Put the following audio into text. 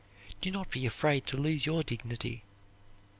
Do not be afraid of losing your dignity.